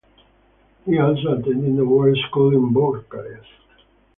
He also attended the War School in Bucharest.